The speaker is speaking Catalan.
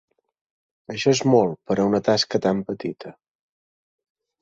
Això és molt per una tasca tan petita.